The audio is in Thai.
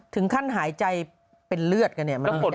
ถึงขั้นหายใจเป็นเลือดกันมันไม่ได้แล้ว